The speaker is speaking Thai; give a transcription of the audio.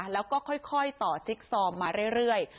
แล้วก็ค่อยต่อจิ๊กซอมมาเรื่อย